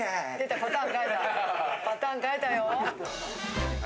パターン変えたよ。